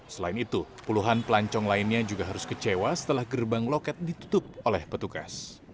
selain itu puluhan pelancong lainnya juga harus kecewa setelah gerbang loket ditutup oleh petugas